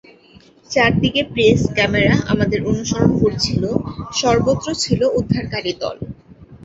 চারদিকে press camera আমাদের অনুসরণ করছিল, সর্বত্র ছিল উদ্ধারকারী দল।